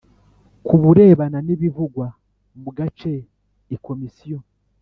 Ku burebana n ibivugwa mu gace i komisiyo